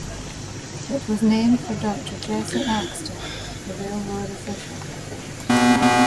It was named for Doctor Jesse Axtell, a railroad official.